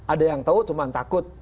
ada yang tahu cuma takut